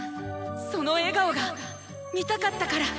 その笑顔が見たかったから！